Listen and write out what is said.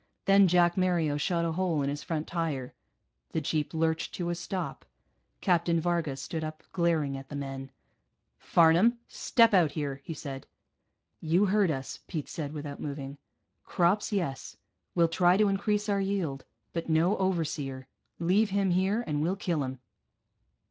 Then Jack Mario shot a hole in his front tire. The jeep lurched to a stop. Captain Varga stood up, glaring at the men. "Farnam, step out here," he said. "You heard us," Pete said, without moving. "Crops, yes. We'll try to increase our yield. But no overseer. Leave him here and we'll kill him."